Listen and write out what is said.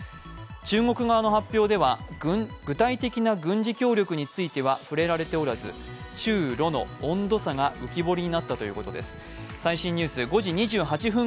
中国側の発表では具体的な軍事協力については触れられておらず中ロの温度差が浮き彫りになったということです。